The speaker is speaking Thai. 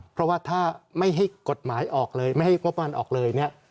เพราะว่าถ้าไม่ให้กฎหมายออกเลยไม่ให้งบประมาณออกเลยเนี่ย